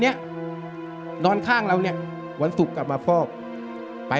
รายการต่อไปนี้เป็นรายการทั่วไปสามารถรับชมได้ทุกวัย